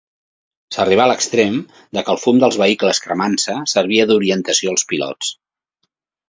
S'arribà a l'extrem de què el fum dels vehicles cremant-se servia d'orientació als pilots.